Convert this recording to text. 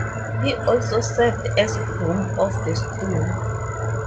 He also served as Groom of the Stool.